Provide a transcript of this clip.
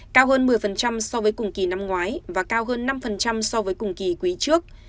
cao hơn một mươi so với cùng kỳ năm ngoái và cao hơn năm so với cùng kỳ quý trước